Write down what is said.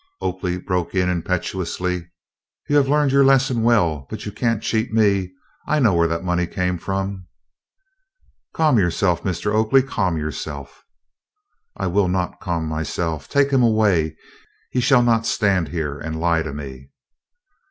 Oakley broke in impetuously. "You have learned your lesson well, but you can't cheat me. I know where that money came from." "Calm yourself, Mr. Oakley, calm yourself." "I will not calm myself. Take him away. He shall not stand here and lie to me."